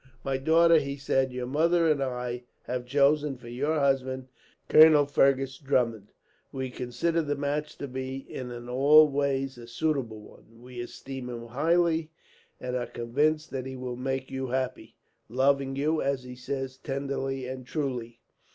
"My daughter," he said, "your mother and I have chosen for your husband Colonel Fergus Drummond. We consider the match to be in all ways a suitable one. We esteem him highly, and are convinced that he will make you happy; loving you, as he says, tenderly and truly.